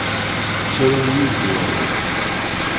Tettarram-iyi deg uɛewwiq.